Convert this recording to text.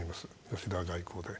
吉田外交で。